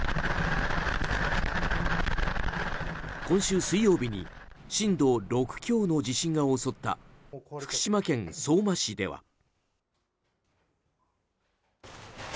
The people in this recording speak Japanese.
今週水曜日に震度６強の地震が襲った福島県相馬市では。